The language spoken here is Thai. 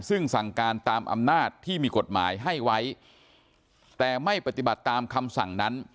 ซึ่งสั่งการตามอำนาจที่มีกฎหมายให้ไว้แต่ไม่ปฏิบัติตามคำสั่งนั้น